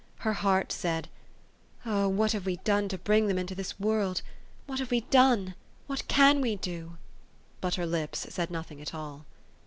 Her heart said, " Oh! what have we done to bring them into this world? What have we done ? What can we do ?" But her lips said nothing at all.